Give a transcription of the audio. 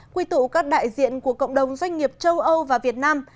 quy tụ các đại diện của cộng đồng doanh nghiệp châu âu và việt nam